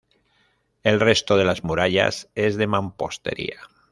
El resto de la muralla es de mampostería.